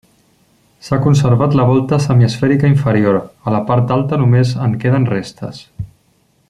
S'ha conservat la volta semiesfèrica inferior; a la part alta només en queden restes.